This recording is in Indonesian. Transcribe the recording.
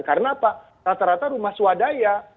karena apa rata rata rumah swadaya